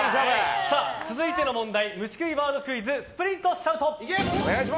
続いての問題虫食いワードクイズスプリントシャウト。